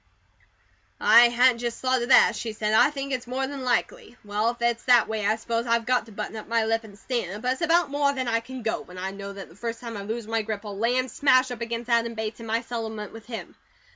"I hadn't just thought of that," she said. "I think it's more than likely. Well, if it's THAT way, I s'pose I've got to button up my lip and stand it; but it's about more than I can go, when I know that the first time I lose my grip I'll land smash up against Adam Bates and my settlement with him."